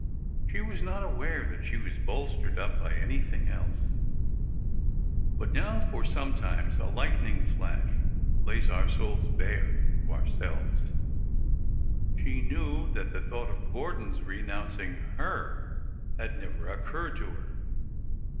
She was not aware that she was bolstered up by anything else. But now — for sometimes a lightning flash lays our souls bare to ourselves— she knew that the thought of Gordon's renouncing her had never occurred to her.